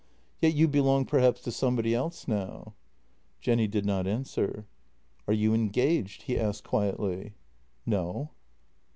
Yet you belong perhaps to somebody else now? " Jenny did not answer. "Are you engaged?" he asked quietly. " No."